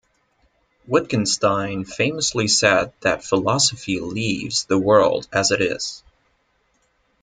Wittgenstein famously said that philosophy leaves the world as it is.